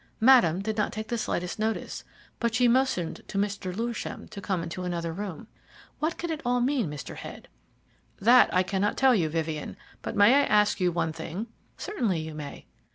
Madame did not take the slightest notice, but she motioned to Mr. Lewisham to come into another room. What can it all mean, Mr. Head?" "That I cannot tell you, Vivien; but may I ask you one thing?" "Certainly you may."